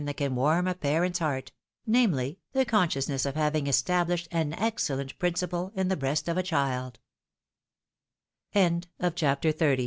that can warm a parent's heart — namely, the consciousness of having estabUshed an excellent principle in the breast of a chi